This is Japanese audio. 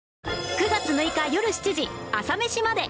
９月６日よる７時『朝メシまで。』